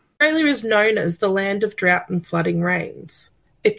australia dikenal sebagai negara yang terkenal